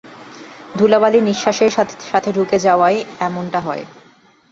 ধুলাবালি নিশ্বাসের সাথে ঢুকে যাওয়ায় এমনটা হয়।